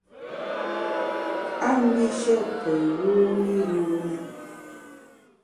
A mbishe pe yuni yune.